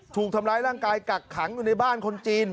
ถูกทำร้ายร่างกายกักขังอยู่ในบ้านคนจีน